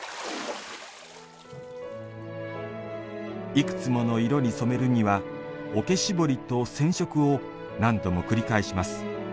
いくつもの色に染めるには桶絞りと染色を何度も繰り返します。